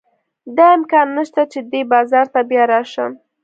دا امکان نه شته چې دې بازار ته بیا راشم.